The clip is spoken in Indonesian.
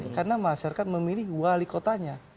karena masyarakat memilih wali kotanya